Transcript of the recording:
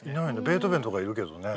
ベートーベンとかいるけどね。